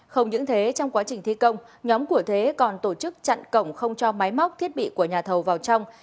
không những thế trong quá trình thi công nhóm của thế còn tổ chức chặn cổng không cho máy móc thiết bị của nhà thầu vào trong